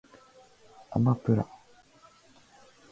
あまぷら